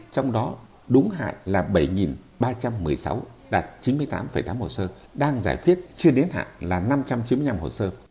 trong đó đúng hạn là bảy ba trăm một mươi sáu đạt chín mươi tám tám hồ sơ đang giải quyết chưa đến hạn là năm trăm chín mươi năm hồ sơ